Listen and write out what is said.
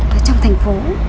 trong thành phố